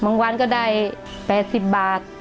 มั้งวันก็ได้๘๐บาท